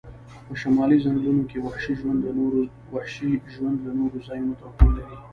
په شمالي ځنګلونو کې وحشي ژوند له نورو ځایونو توپیر لري